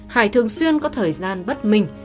hải thường xuyên có thời gian bất minh